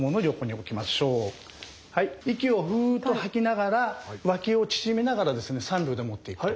息をフーッと吐きながらわきを縮めながら３秒でもっていくと。